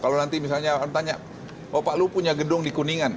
kalau nanti misalnya tanya pak lu punya gedung di kuningan